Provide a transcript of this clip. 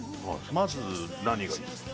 まず何がいいですか？